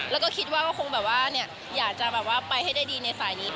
แล้วก็คิดว่าก็คงแบบว่าอยากจะแบบว่าไปให้ได้ดีในสายนี้